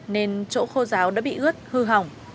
nên chỗ khô giáo đã bị ướt hư hỏng